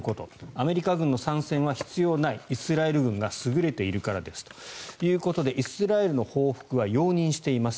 アメリカ軍の参戦は必要ないイスラエル軍が優れているからですということでイスラエルの報復は容認しています。